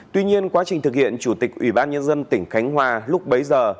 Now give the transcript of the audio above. tuy nhiên quá trình thực hiện chủ tịch ủy ban nhân dân tỉnh khánh hòa lúc bấy giờ